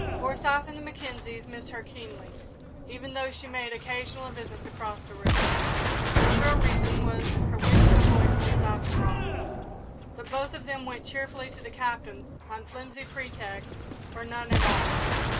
Forsyth and the Mackenzies missed her keenly, even though she made occasional visits across the river. Her real reason was her wish to avoid Forsyth and Ronald; but both of them went cheerfully to the Captain's on flimsy pretexts or on none at all.